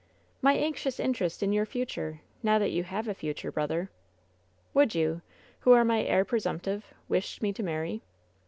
"My anxious interest in your future — now that you have a future, brother." "Would you, who are my heir presumptive, wish me to marry?"